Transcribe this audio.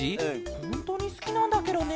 ほんとにすきなんだケロね。